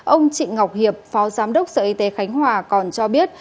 ông trịnh ngọc hiệp phó giám đốc sở y tế khánh hòa còn cho biết